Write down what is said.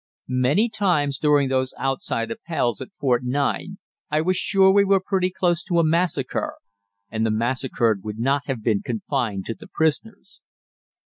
Many times during those outside Appells at Fort 9 I was sure we were pretty close to a massacre and the massacred would not have been confined to the prisoners.